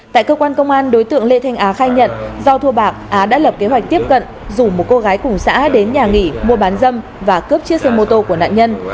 tại cơ quan công an đối tượng lê thanh á khai nhận do thu bạc á đã lập kế hoạch tiếp cận rủ một cô gái cùng xã đến nhà nghỉ mua bán dâm và cướp chiếc xe mô tô của nạn nhân